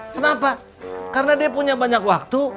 kenapa karena dia punya banyak waktu